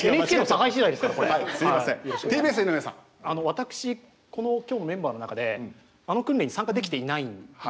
私今日のメンバーの中であの訓練に参加できていないんですよ。